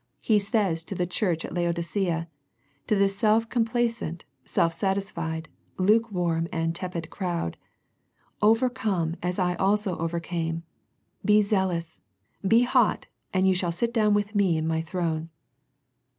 He says to the church at Laodicea, to this self complaisant, self satisfied, lukewarm, and tepid crowd " Overcome as I also over came. Be zealous. Be hot, and you shall sit down with Me in My throne."